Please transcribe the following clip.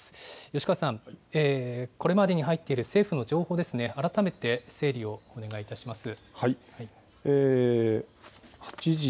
吉川さん、これまでに入っている政府の情報、改めて整理をお願いいたします。